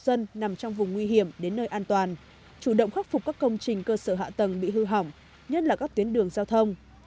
dân nằm trong vùng nguy hiểm đến nơi an toàn chủ động khắc phục các công trình cơ sở hạ tầng bị hư hỏng nhất là các tuyến đường giao thông